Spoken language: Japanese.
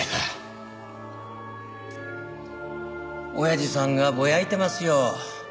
親父さんがぼやいてますよ。